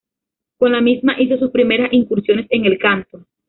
Con la misma hizo sus primeras incursiones en el canto.